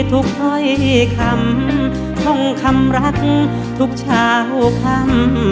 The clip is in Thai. ถ้อยคำท่องคำรักทุกเช้าคำ